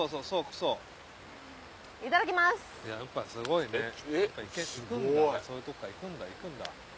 ・そういうとこからいくんだ。